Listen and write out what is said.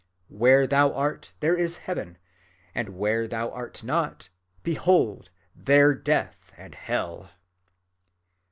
Where thou art, there is heaven; and where thou art not, behold there death and hell."